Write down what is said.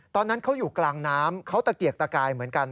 ตอนนั้นเขาอยู่กลางน้ำเขาตะเกียกตะกายเหมือนกัน